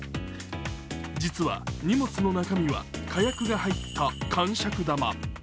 実は荷物の中身は火薬が入ったかんしゃく玉。